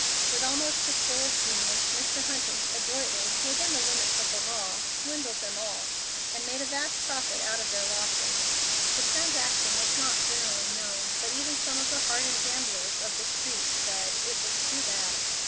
With almost the skill of genius Mr. Hunting adroitly, within the limits of the law, swindled them all, and made a vast profit out of their losses. The transaction was not generally known, but even some of the hardened gamblers of the street said "it was too bad."